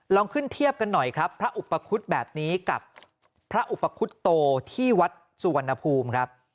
ลองขึ้นเทียบกันหน่อยครับพระอุปคุฎแบบนี้กับพระอุปคุตโตที่วัดสุวรรณภูมิครับ